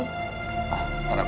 jadinya adalah recurrence ark